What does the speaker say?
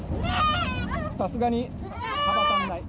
さすがに幅足りない。